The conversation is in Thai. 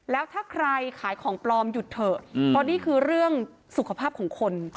แล้วถ้าใครขายของปลอมหยุดเถอะเพราะนี่คือเรื่องสุขภาพของคน